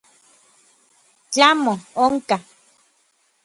Tlamo, onka.